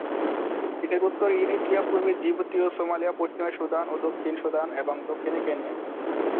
এটির উত্তরে ইরিত্রিয়া, পূর্বে জিবুতি ও সোমালিয়া, পশ্চিমে সুদান ও দক্ষিণ সুদান, এবং দক্ষিণে কেনিয়া।